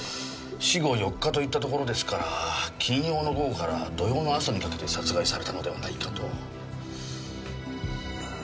死後４日といったところですから金曜の午後から土曜の朝にかけて殺害されたのではないかと。